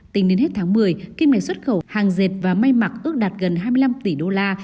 tính đến hết tháng một mươi kim ngạch xuất khẩu hàng dệt và may mặc ước đạt gần hai mươi năm tỷ đô la